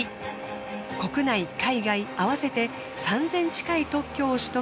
国内海外あわせて３，０００近い特許を取得。